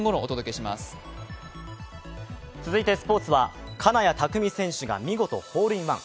続いてスポーツは金谷拓実選手が見事ホールインワン。